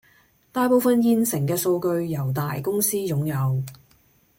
大部分現成的數據由大公司擁有